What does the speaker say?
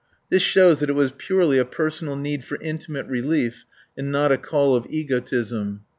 This shows that it was purely a personal need for intimate relief and not a call of egotism.